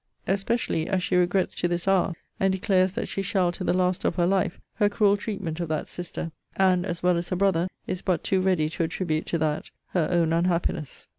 Especially as she regrets to this hour, and declares that she shall to the last of her life, her cruel treatment of that sister; and (as well as her brother) is but too ready to attribute to that her own unhappiness.